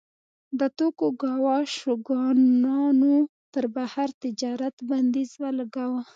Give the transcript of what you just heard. د توکوګاوا شوګانانو پر بهر تجارت بندیز ولګاوه.